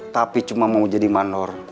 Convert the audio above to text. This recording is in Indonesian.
tapi cuma mau jadi manor